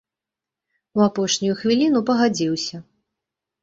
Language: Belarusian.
У апошнюю хвіліну пагадзіўся.